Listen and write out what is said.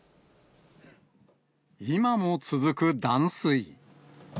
今も続く断水。